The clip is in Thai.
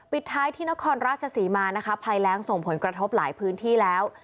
ปิดท้ายที่นครราชศรีมานะคะภัยแรงส่งผลกระทบหลายพื้นที่แล้ว